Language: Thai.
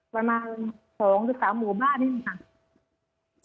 ประมาณ๒๓หมู่บ้านนี่นะคะ